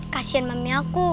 kasihan mami aku